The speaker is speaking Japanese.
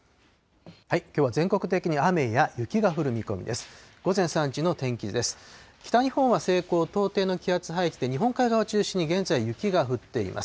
きょうは全国的に雨や雪が降る見込みです。